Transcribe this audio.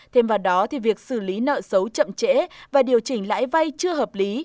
thêm vào đó việc xử lý nợ xấu chậm trễ và điều chỉnh lãi vai chưa hợp lý